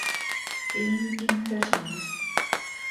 Being impertinent.